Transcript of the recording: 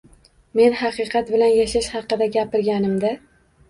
Men “Haqiqat bilan yashash” haqida gapirganimda